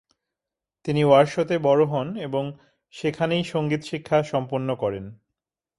তিনি ওয়ারশোতে বড় হন এবং সেখানেই সংগীত শিক্ষা সম্পন্ন করেন।